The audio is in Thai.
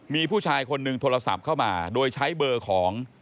มีผู้ชายคนหนึ่งโทรศัพท์เข้ามาโดยใช้เบอร์ของ